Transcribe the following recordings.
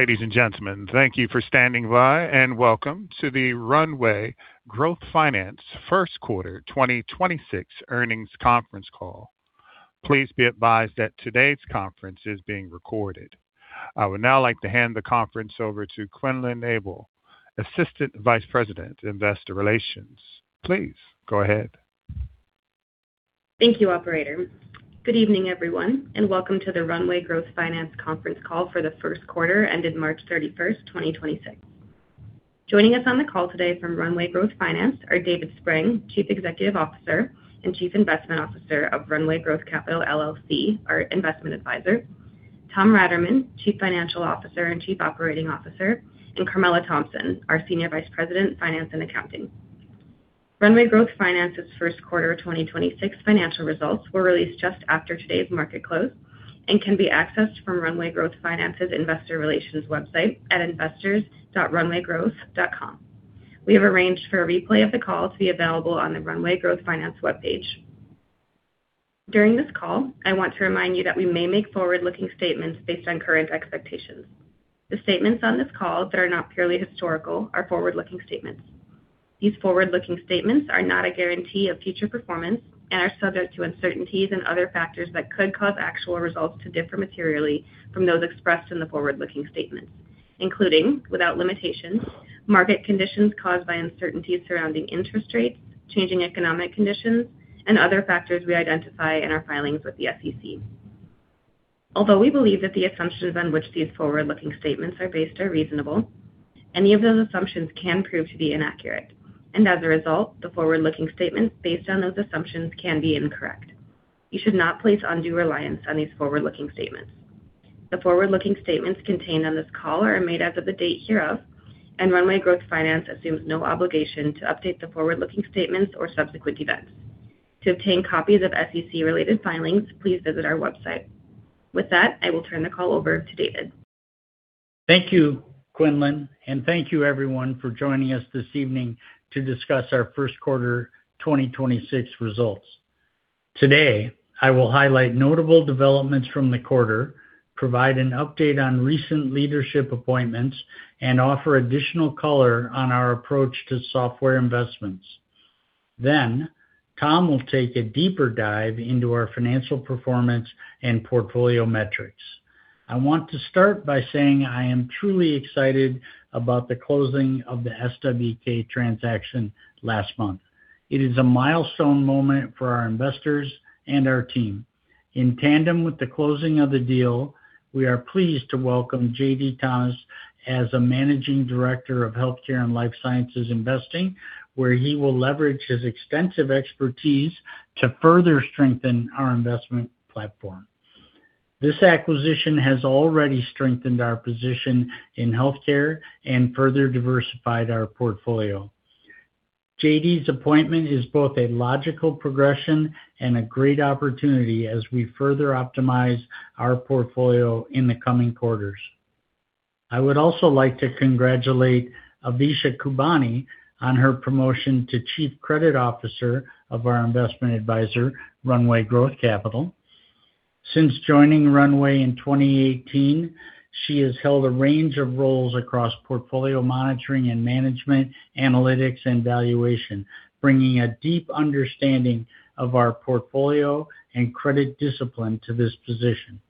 Ladies and gentlemen, thank you for standing by, and welcome to the Runway Growth Finance first quarter 2026 earnings conference call. Please be advised that today's conference is being recorded. I would now like to hand the conference over to Quinlan Abel, Assistant Vice President, Investor Relations. Please go ahead. Thank you, operator. Good evening, everyone, and welcome to the Runway Growth Finance conference call for the 1st quarter ended March 31st, 2026. Joining us on the call today from Runway Growth Finance are David Spreng, Chief Executive Officer and Chief Investment Officer of Runway Growth Capital LLC, our investment advisor, Tom Raterman, Chief Financial Officer and Chief Operating Officer, and Carmela Thomson, our Senior Vice President, Finance and Accounting. Runway Growth Finance's 1st quarter 2026 financial results were released just after today's market close and can be accessed from Runway Growth Finance's investor relations website at investors.runwaygrowth.com. We have arranged for a replay of the call to be available on the Runway Growth Finance webpage. During this call, I want to remind you that we may make forward-looking statements based on current expectations. The statements on this call that are not purely historical are forward-looking statements. These forward-looking statements are not a guarantee of future performance and are subject to uncertainties and other factors that could cause actual results to differ materially from those expressed in the forward-looking statements, including, without limitation, market conditions caused by uncertainties surrounding interest rates, changing economic conditions, and other factors we identify in our filings with the SEC. Although we believe that the assumptions on which these forward-looking statements are based are reasonable, any of those assumptions can prove to be inaccurate. As a result, the forward-looking statements based on those assumptions can be incorrect. You should not place undue reliance on these forward-looking statements. The forward-looking statements contained on this call are made as of the date hereof, and Runway Growth Finance assumes no obligation to update the forward-looking statements or subsequent events. To obtain copies of SEC-related filings, please visit our website. With that, I will turn the call over to David. Thank you, Quinlan, and thank you, everyone, for joining us this evening to discuss our first quarter 2026 results. Today, I will highlight notable developments from the quarter, provide an update on recent leadership appointments, and offer additional color on our approach to software investments. Tom will take a deeper dive into our financial performance and portfolio metrics. I want to start by saying I am truly excited about the closing of the SWK transaction last month. It is a milestone moment for our investors and our team. In tandem with the closing of the deal, we are pleased to welcome JD Tamas as a Managing Director of Healthcare and Life Sciences Investing, where he will leverage his extensive expertise to further strengthen our investment platform. This acquisition has already strengthened our position in healthcare and further diversified our portfolio. JD's appointment is both a logical progression and a great opportunity as we further optimize our portfolio in the coming quarters. I would also like to congratulate Avisha Khubani on her promotion to Chief Credit Officer of our investment advisor, Runway Growth Capital. Since joining Runway in 2018, she has held a range of roles across portfolio monitoring and management, analytics, and valuation, bringing a deep understanding of our portfolio and credit discipline to this position.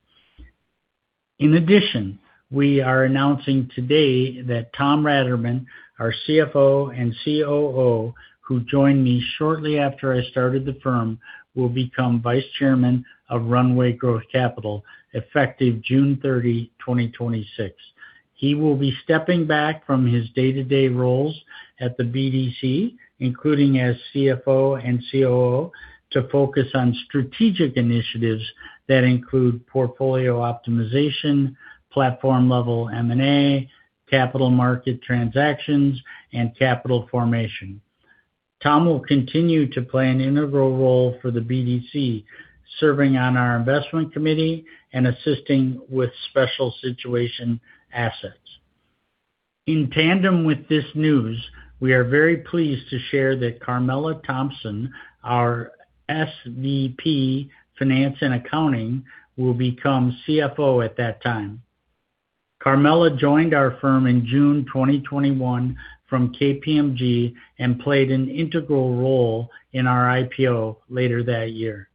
In addition, we are announcing today that Tom Raterman, our CFO and COO, who joined me shortly after I started the firm, will become Vice Chairman of Runway Growth Capital, effective June 30, 2026. He will be stepping back from his day-to-day roles at the BDC, including as CFO and COO, to focus on strategic initiatives that include portfolio optimization, platform-level M&A, capital market transactions, and capital formation. Tom will continue to play an integral role for the BDC, serving on our investment committee and assisting with special situation assets. In tandem with this news, we are very pleased to share that Carmela Thomson, our SVP, Finance and Accounting, will become CFO at that time. Carmela joined our firm in June 2021 from KPMG and played an integral role in our IPO later that year.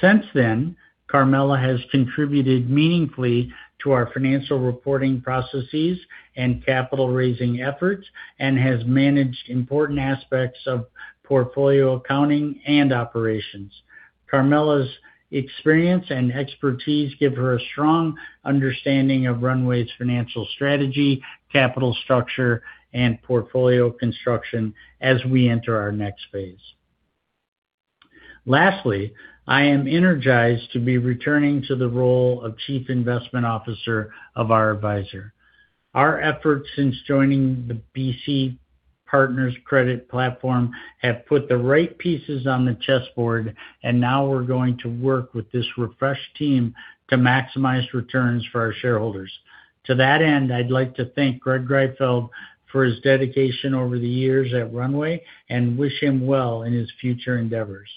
Since then, Carmela has contributed meaningfully to our financial reporting processes and capital raising efforts and has managed important aspects of portfolio accounting and operations. Carmela's experience and expertise give her a strong understanding of Runway's financial strategy, capital structure, and portfolio construction as we enter our next phase. Lastly, I am energized to be returning to the role of Chief Investment Officer of our advisor. Our efforts since joining the BC Partners Credit platform have put the right pieces on the chessboard, and now we're going to work with this refreshed team to maximize returns for our shareholders. To that end, I'd like to thank Greg Greifeld for his dedication over the years at Runway and wish him well in his future endeavors.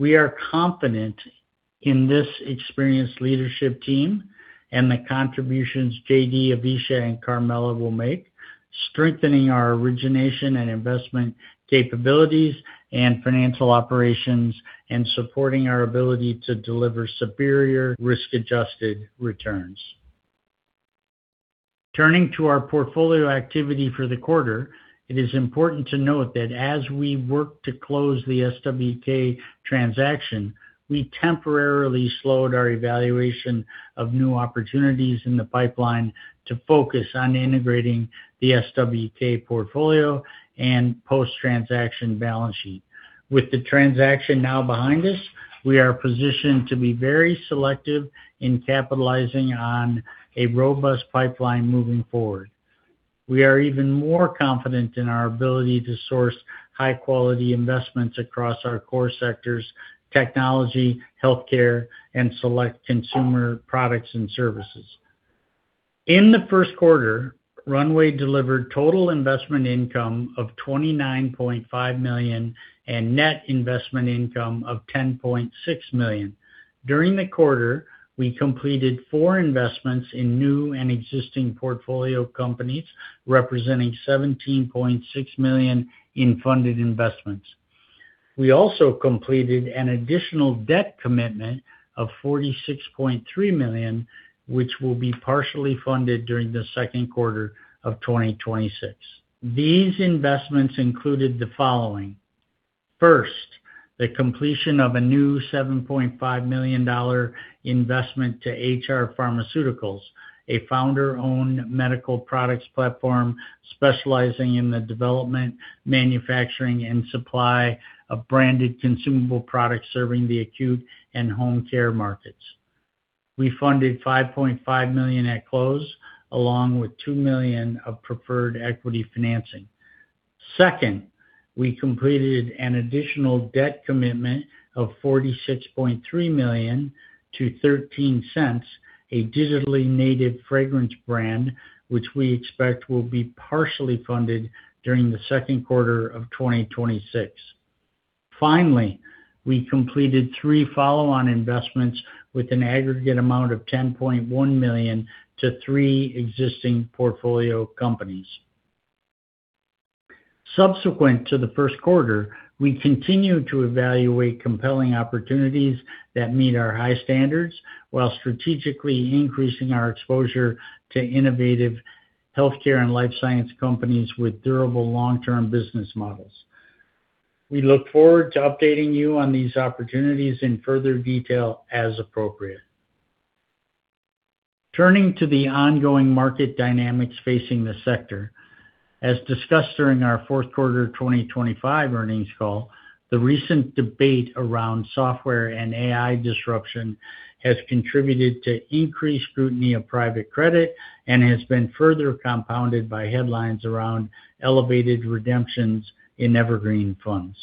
We are confident in this experienced leadership team and the contributions JD, Avisha, and Carmela will make, strengthening our origination and investment capabilities and financial operations and supporting our ability to deliver superior risk-adjusted returns. Turning to our portfolio activity for the quarter, it is important to note that as we work to close the SWK transaction, we temporarily slowed our evaluation of new opportunities in the pipeline to focus on integrating the SWK portfolio and post-transaction balance sheet. With the transaction now behind us, we are positioned to be very selective in capitalizing on a robust pipeline moving forward. We are even more confident in our ability to source high-quality investments across our core sectors, technology, healthcare, and select consumer products and services. In the first quarter, Runway Growth Finance delivered total investment income of $29.5 million and net investment income of $10.6 million. During the quarter, we completed four investments in new and existing portfolio companies, representing $17.6 million in funded investments. We also completed an additional debt commitment of $46.3 million, which will be partially funded during the second quarter of 2026. These investments included the following. First, the completion of a new $7.5 million investment to HR Pharmaceuticals, a founder-owned medical products platform specializing in the development, manufacturing, and supply of branded consumable products serving the acute and home care markets. We funded $5.5 million at close, along with $2 million of preferred equity financing. Second, we completed an additional debt commitment of $46.3 million to 13 Scents, a digitally native fragrance brand, which we expect will be partially funded during the second quarter of 2026. Finally, we completed three follow-on investments with an aggregate amount of $10.1 million to three existing portfolio companies. Subsequent to the first quarter, we continue to evaluate compelling opportunities that meet our high standards, while strategically increasing our exposure to innovative healthcare and life science companies with durable long-term business models. We look forward to updating you on these opportunities in further detail as appropriate. Turning to the ongoing market dynamics facing the sector. As discussed during our fourth quarter 2025 earnings call, the recent debate around software and AI disruption has contributed to increased scrutiny of private credit and has been further compounded by headlines around elevated redemptions in evergreen funds.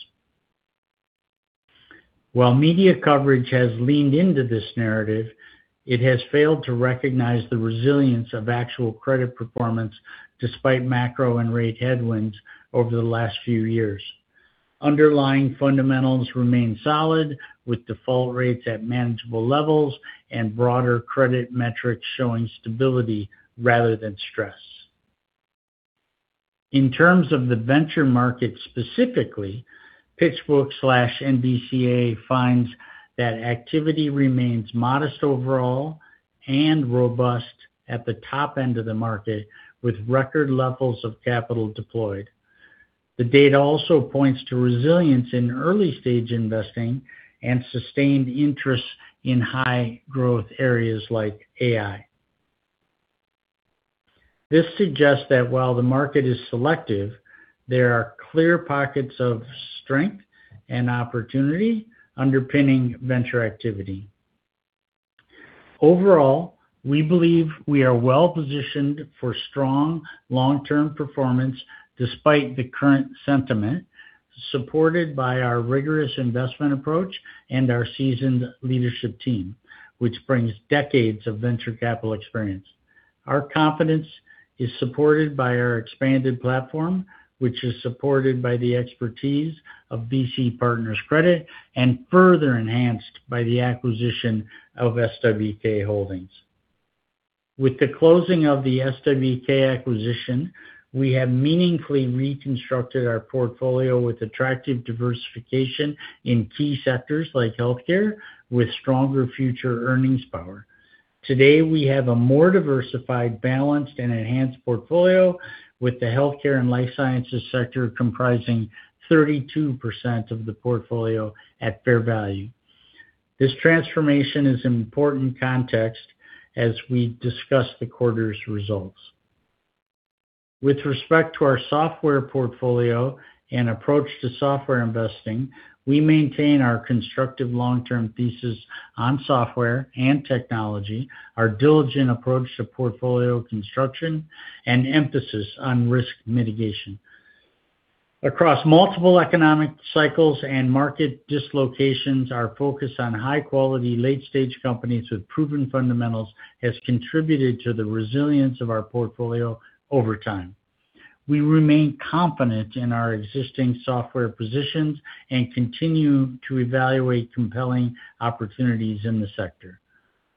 While media coverage has leaned into this narrative, it has failed to recognize the resilience of actual credit performance despite macro and rate headwinds over the last few years. Underlying fundamentals remain solid, with default rates at manageable levels and broader credit metrics showing stability rather than stress. In terms of the venture market specifically, PitchBook/NVCA finds that activity remains modest overall and robust at the top end of the market, with record levels of capital deployed. The data also points to resilience in early-stage investing and sustained interest in high-growth areas like AI. This suggests that while the market is selective, there are clear pockets of strength and opportunity underpinning venture activity. Overall, we believe we are well-positioned for strong long-term performance despite the current sentiment, supported by our rigorous investment approach and our seasoned leadership team, which brings decades of venture capital experience. Our confidence is supported by our expanded platform, which is supported by the expertise of BC Partners Credit and further enhanced by the acquisition of SWK Holdings. With the closing of the SWK acquisition, we have meaningfully reconstructed our portfolio with attractive diversification in key sectors like healthcare, with stronger future earnings power. Today, we have a more diversified, balanced, and enhanced portfolio, with the healthcare and life sciences sector comprising 32% of the portfolio at fair value. This transformation is an important context as we discuss the quarter's results. With respect to our software portfolio and approach to software investing, we maintain our constructive long-term thesis on software and technology, our diligent approach to portfolio construction, and emphasis on risk mitigation. Across multiple economic cycles and market dislocations, our focus on high-quality, late-stage companies with proven fundamentals has contributed to the resilience of our portfolio over time. We remain confident in our existing software positions and continue to evaluate compelling opportunities in the sector.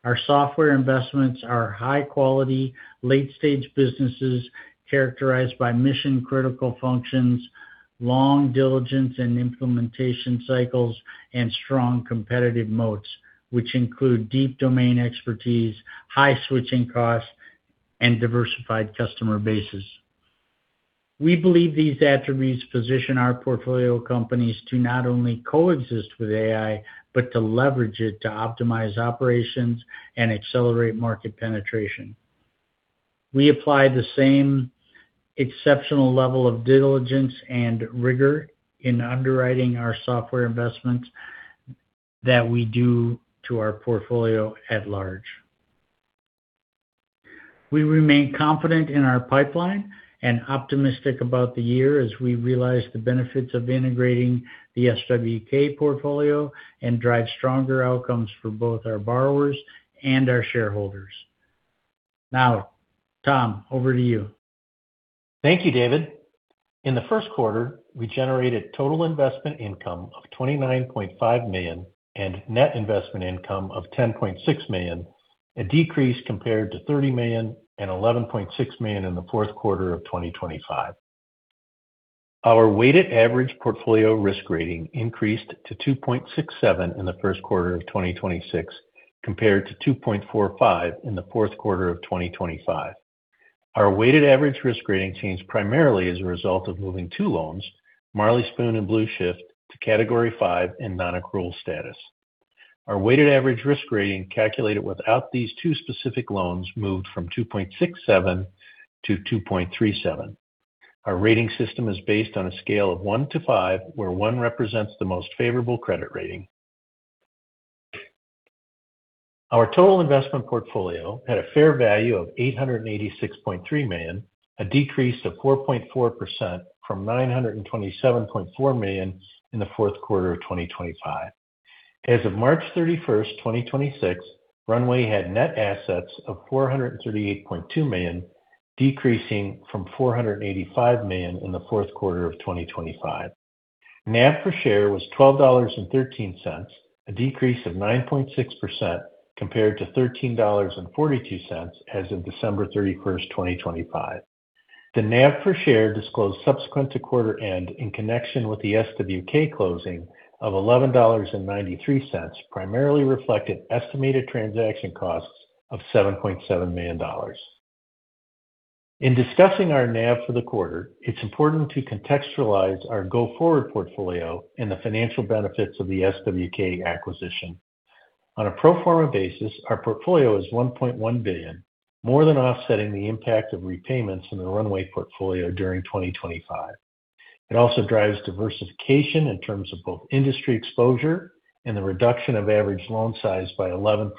Our software investments are high quality, late-stage businesses characterized by mission-critical functions, long diligence and implementation cycles, and strong competitive moats, which include deep domain expertise, high switching costs, and diversified customer bases. We believe these attributes position our portfolio companies to not only coexist with AI, but to leverage it to optimize operations and accelerate market penetration. We apply the same exceptional level of diligence and rigor in underwriting our software investments that we do to our portfolio at large. We remain confident in our pipeline and optimistic about the year as we realize the benefits of integrating the SWK portfolio and drive stronger outcomes for both our borrowers and our shareholders. Now, Tom, over to you. Thank you, David. In the first quarter, we generated total investment income of $29.5 million and net investment income of $10.6 million, a decrease compared to $30 million and $11.6 million in the fourth quarter of 2025. Our weighted average portfolio risk rating increased to 2.67 in the first quarter of 2026, compared to 2.45 in the fourth quarter of 2025. Our weighted average risk rating changed primarily as a result of moving two loans, Marley Spoon and Blueshift, to category 5 in non-accrual status. Our weighted average risk rating calculated without these two specific loans moved from 2.67 to 2.37. Our rating system is based on a scale of 1 to 5, where 1 represents the most favorable credit rating. Our total investment portfolio had a fair value of $886.3 million, a decrease of 4.4% from $927.4 million in the fourth quarter of 2025. As of March 31st, 2026, Runway Growth Finance had net assets of $438.2 million, decreasing from $485 million in the fourth quarter of 2025. NAV per share was $12.13, a decrease of 9.6% compared to $13.42 as of December 31st, 2025. The NAV per share disclosed subsequent to quarter end in connection with the SWK closing of $11.93, primarily reflected estimated transaction costs of $7.7 million. In discussing our NAV for the quarter, it's important to contextualize our go-forward portfolio and the financial benefits of the SWK acquisition. On a pro forma basis, our portfolio is $1.1 billion, more than offsetting the impact of repayments in the Runway portfolio during 2025. It also drives diversification in terms of both industry exposure and the reduction of average loan size by 11%.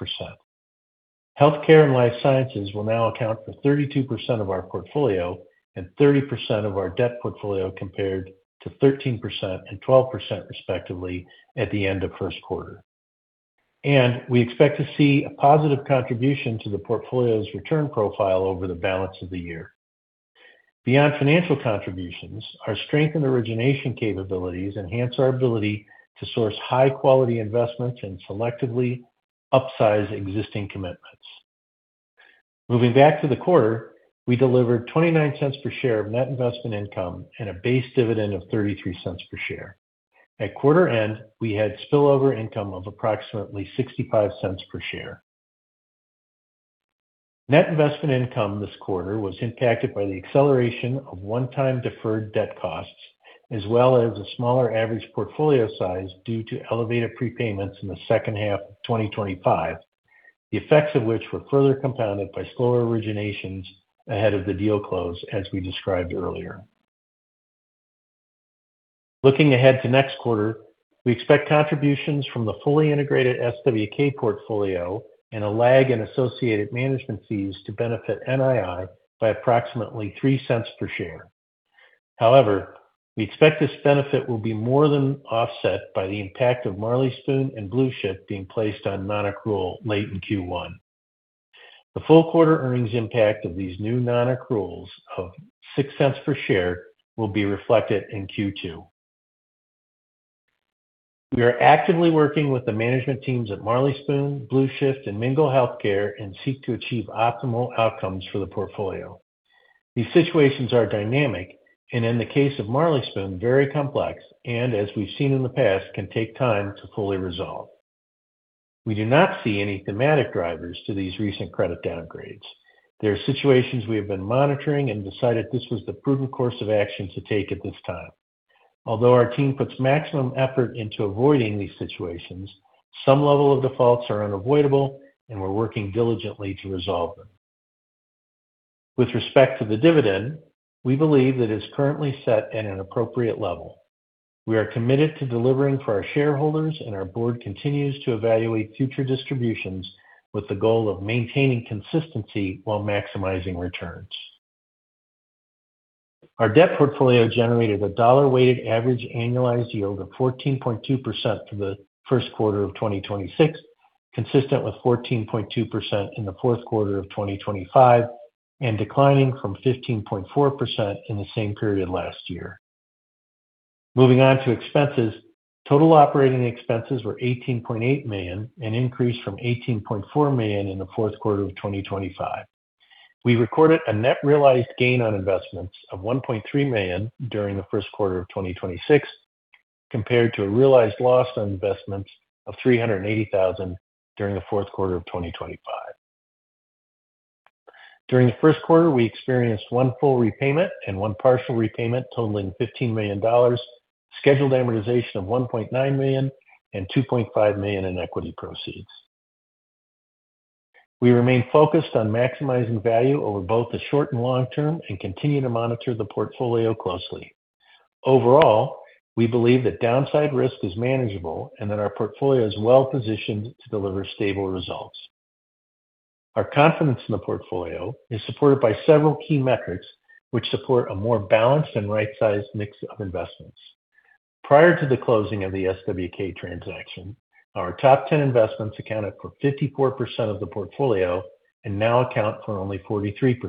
Healthcare and life sciences will now account for 32% of our portfolio and 30% of our debt portfolio, compared to 13% and 12% respectively at the end of first quarter. We expect to see a positive contribution to the portfolio's return profile over the balance of the year. Beyond financial contributions, our strength and origination capabilities enhance our ability to source high-quality investments and selectively upsize existing commitments. Moving back to the quarter, we delivered $0.29 per share of net investment income and a base dividend of $0.33 per share. At quarter end, we had spillover income of approximately $0.65 per share. Net investment income this quarter was impacted by the acceleration of one-time deferred debt costs, as well as a smaller average portfolio size due to elevated prepayments in the second half of 2025, the effects of which were further compounded by slower originations ahead of the deal close, as we described earlier. Looking ahead to next quarter, we expect contributions from the fully integrated SWK portfolio and a lag in associated management fees to benefit NII by approximately $0.03 per share. However, we expect this benefit will be more than offset by the impact of Marley Spoon and Blueshift being placed on non-accrual late in Q1. The full quarter earnings impact of these new non-accruals of $0.06 per share will be reflected in Q2. We are actively working with the management teams at Marley Spoon, Blueshift, and Mingle Health and seek to achieve optimal outcomes for the portfolio. These situations are dynamic and, in the case of Marley Spoon, very complex, and as we've seen in the past, can take time to fully resolve. We do not see any thematic drivers to these recent credit downgrades. There are situations we have been monitoring and decided this was the prudent course of action to take at this time. Although our team puts maximum effort into avoiding these situations, some level of defaults are unavoidable, and we're working diligently to resolve them. With respect to the dividend, we believe that it's currently set at an appropriate level. We are committed to delivering for our shareholders, and our board continues to evaluate future distributions with the goal of maintaining consistency while maximizing returns. Our debt portfolio generated a dollar-weighted average annualized yield of 14.2% for the first quarter of 2026. Consistent with 14.2% in the fourth quarter of 2025, and declining from 15.4% in the same period last year. Moving on to expenses. Total operating expenses were $18.8 million, an increase from $18.4 million in the fourth quarter of 2025. We recorded a net realized gain on investments of $1.3 million during the first quarter of 2026, compared to a realized loss on investments of $380,000 during the fourth quarter of 2025. During the first quarter, we experienced one full repayment and one partial repayment totaling $15 million, scheduled amortization of $1.9 million, and $2.5 million in equity proceeds. We remain focused on maximizing value over both the short and long term and continue to monitor the portfolio closely. Overall, we believe that downside risk is manageable and that our portfolio is well-positioned to deliver stable results. Our confidence in the portfolio is supported by several key metrics which support a more balanced and right-sized mix of investments. Prior to the closing of the SWK transaction, our top 10 investments accounted for 54% of the portfolio and now account for only 43%.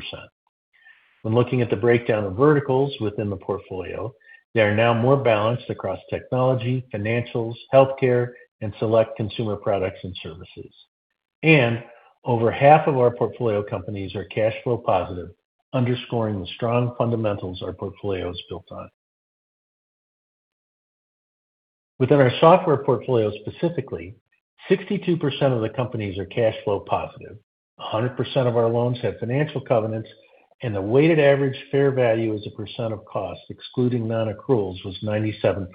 When looking at the breakdown of verticals within the portfolio, they are now more balanced across technology, financials, healthcare, and select consumer products and services. Over half of our portfolio companies are cash flow positive, underscoring the strong fundamentals our portfolio is built on. Within our software portfolio specifically, 62% of the companies are cash flow positive, 100% of our loans have financial covenants, and the weighted average fair value as a percent of cost, excluding non-accruals, was 97%.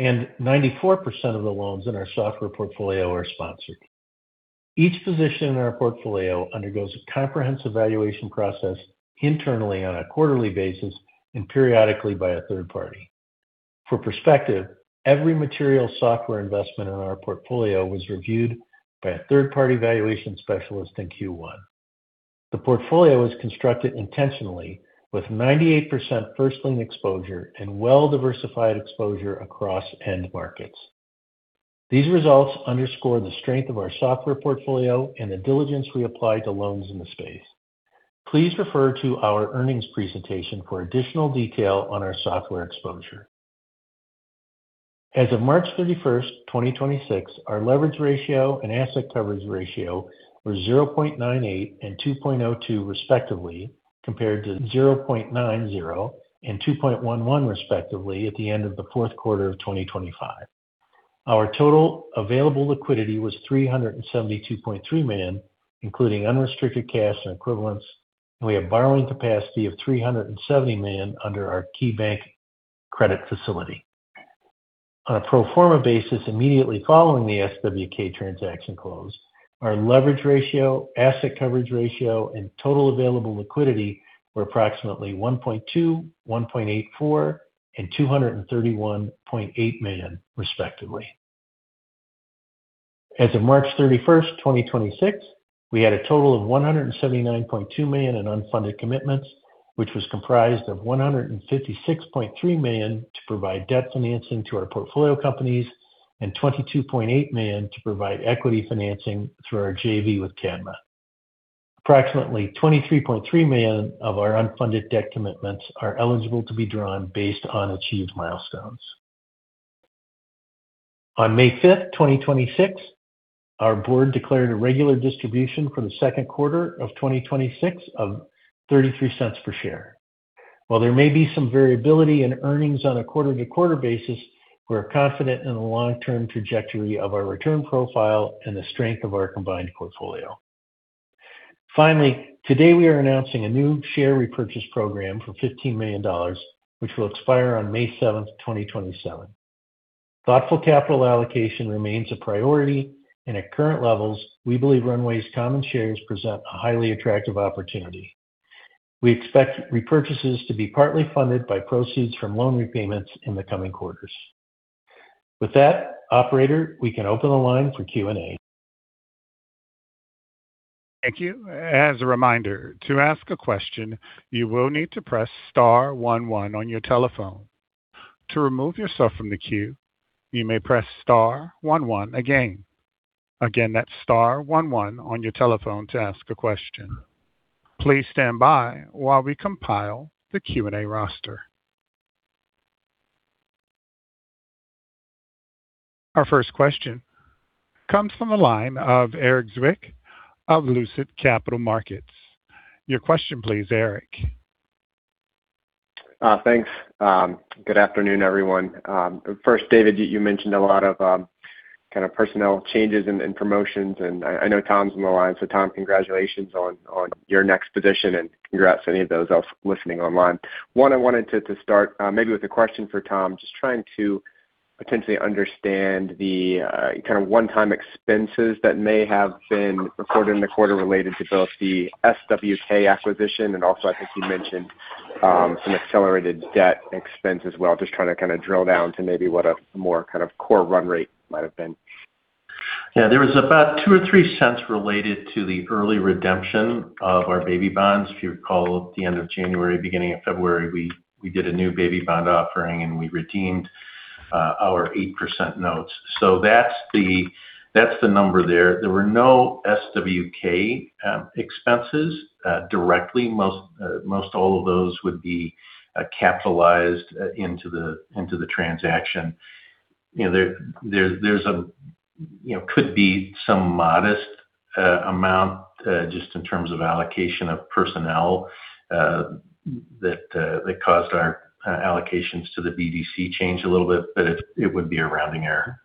94% of the loans in our software portfolio are sponsored. Each position in our portfolio undergoes a comprehensive evaluation process internally on a quarterly basis and periodically by a third party. For perspective, every material software investment in our portfolio was reviewed by a third-party valuation specialist in Q1. The portfolio was constructed intentionally with 98% first lien exposure and well-diversified exposure across end markets. These results underscore the strength of our software portfolio and the diligence we apply to loans in the space. Please refer to our earnings presentation for additional detail on our software exposure. As of March 31st, 2026, our leverage ratio and asset coverage ratio were 0.98 and 2.02 respectively, compared to 0.90 and 2.11 respectively, at the end of the fourth quarter of 2025. Our total available liquidity was $372.3 million, including unrestricted cash and equivalents. We have borrowing capacity of $370 million under our KeyBank credit facility. On a pro forma basis, immediately following the SWK transaction close, our leverage ratio, asset coverage ratio, and total available liquidity were approximately 1.2, 1.84, and $231.8 million, respectively. As of March 31st, 2026, we had a total of $179.2 million in unfunded commitments, which was comprised of $156.3 million to provide debt financing to our portfolio companies and $22.8 million to provide equity financing through our JV with Cadma. Approximately $23.3 million of our unfunded debt commitments are eligible to be drawn based on achieved milestones. On May 5th, 2026, our board declared a regular distribution for the second quarter of 2026 of $0.33 per share. While there may be some variability in earnings on a quarter-to-quarter basis, we're confident in the long-term trajectory of our return profile and the strength of our combined portfolio. Finally, today, we are announcing a new share repurchase program for $15 million, which will expire on May 7th, 2027. Thoughtful capital allocation remains a priority, and at current levels, we believe Runway's common shares present a highly attractive opportunity. We expect repurchases to be partly funded by proceeds from loan repayments in the coming quarters. With that, operator, we can open the line for Q&A. Thank you. As a reminder, to ask a question, you will need to press star one one on your telephone. To remove yourself from the queue, you may press star one one again. Again, that's star one one on your telephone to ask a question. Please stand by while we compile the Q&A roster. Our first question comes from the line of Erik Zwick of Lucid Capital Markets. Your question please, Erik. Thanks. Good afternoon, everyone. First, David, you mentioned a lot of kind of personnel changes and promotions, and I know Tom's on the line. Tom, congratulations on your next position and congrats to any of those else listening online. One, I wanted to start maybe with a question for Tom. Just trying to potentially understand the kind of one-time expenses that may have been recorded in the quarter related to both the SWK acquisition and also, I think, you mentioned some accelerated debt expense as well. Just trying to kind of drill down to maybe what a more kind of core run rate might have been. Yeah. There was about $0.02 or $0.03 related to the early redemption of our baby bonds. If you recall, at the end of January, beginning of February, we did a new baby bond offering and we redeemed our 8% notes. That's the number there. There were no SWK expenses directly. Most all of those would be capitalized into the transaction. You know, there's a, you know, could be some modest amount just in terms of allocation of personnel that caused our allocations to the BDC change a little bit. It would be a rounding error.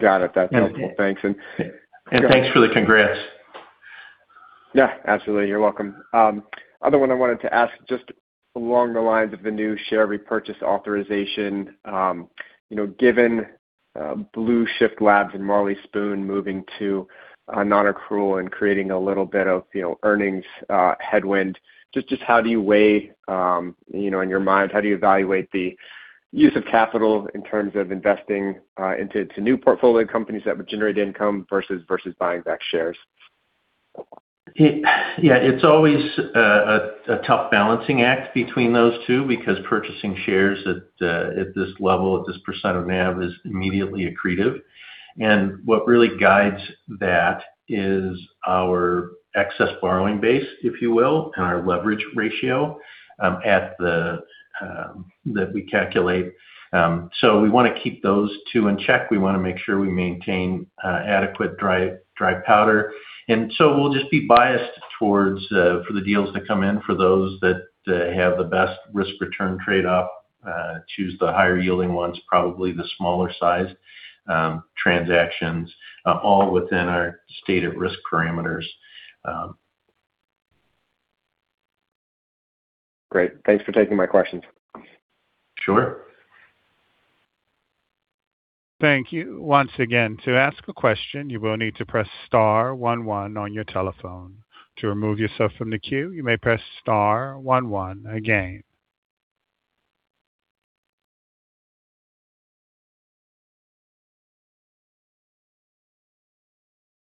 Got it. That's helpful. Thanks. Thanks for the congrats. Yeah, absolutely. You're welcome. Other one I wanted to ask, just along the lines of the new share repurchase authorization. You know, given Blueshift and Marley Spoon moving to a non-accrual and creating a little bit of, you know, earnings headwind, just how do you weigh, you know, in your mind, how do you evaluate the use of capital in terms of investing into new portfolio companies that would generate income versus buying back shares? Yeah, it's always a tough balancing act between those two because purchasing shares at this level, at this percent of NAV is immediately accretive. What really guides that is our excess borrowing base, if you will, and our leverage ratio that we calculate. We wanna keep those two in check. We wanna make sure we maintain adequate dry powder. We'll just be biased towards, for the deals that come in, for those that have the best risk-return trade-off, choose the higher yielding ones, probably the smaller-sized transactions, all within our stated risk parameters. Great. Thanks for taking my questions. Sure. Thank you. Once again, to ask a question, you will need to press star one one on your telephone. To remove yourself from the queue, you may press star one one again.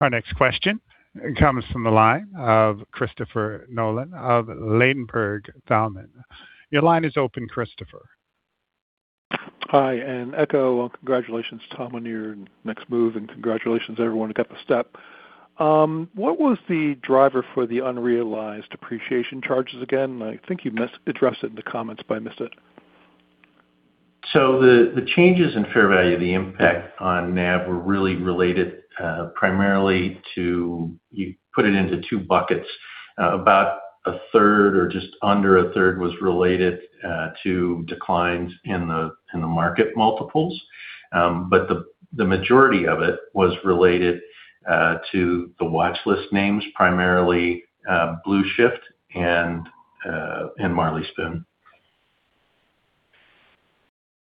Our next question comes from the line of Christopher Nolan of Ladenburg Thalmann. Your line is open, Christopher. Hi, and echo congratulations, Tom, on your next move, and congratulations everyone who got the step. What was the driver for the unrealized appreciation charges again? I think you misaddressed it in the comments, but I missed it. The changes in fair value, the impact on NAV were really related primarily to, put it into two buckets. About a third, or just under a third, was related to declines in the, in the market multiples. The majority of it was related to the watchlist names, primarily Blue Shift and Marley Spoon.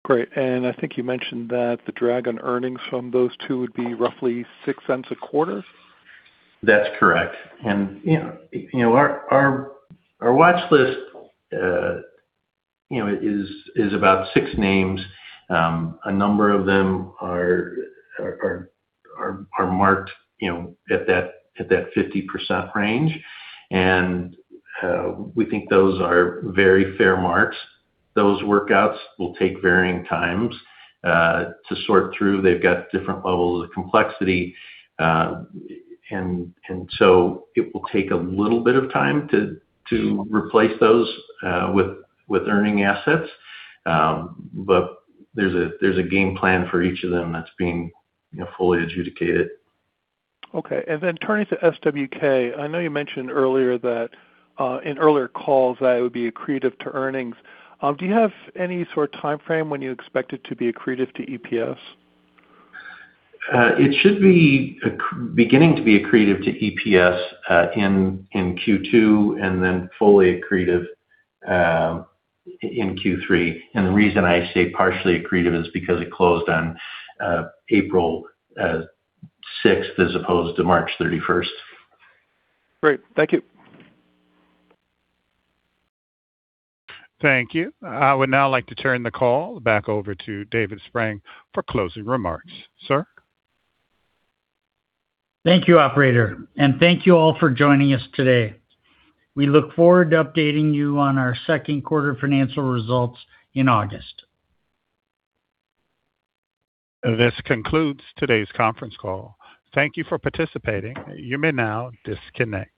Great. I think you mentioned that the drag on earnings from those two would be roughly $0.06 a quarter? That's correct. You know, you know, our watchlist, you know, is about six names. A number of them are marked, you know, at that 50% range. We think those are very fair marks. Those workouts will take varying times to sort through. They've got different levels of complexity. So, it will take a little bit of time to replace those with earning assets. There's a game plan for each of them that's being, you know, fully adjudicated. Okay. Turning to SWK, I know you mentioned earlier that in earlier calls that it would be accretive to earnings. Do you have any sort of timeframe when you expect it to be accretive to EPS? It should be beginning to be accretive to EPS in Q2 and then fully accretive in Q3. The reason I say partially accretive is because it closed on April 6th as opposed to March 31st. Great. Thank you. Thank you. I would now like to turn the call back over to David Spreng for closing remarks. Sir? Thank you, operator, and thank you all for joining us today. We look forward to updating you on our second quarter financial results in August. This concludes today's conference call. Thank you for participating. You may now disconnect.